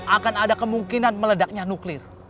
akan ada kemungkinan meledaknya nuklir